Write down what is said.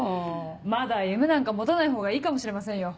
まだ夢なんか持たないほうがいいかもしれませんよ。